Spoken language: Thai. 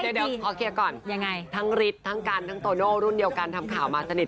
เดี๋ยวเดี๋ยวเขาเคลียร์ก่อนยังไงทั้งฤทธิ์ทั้งการทั้งโตเนียลอ๋อยรุ่นเดียวกันทำข่าวมาสนิท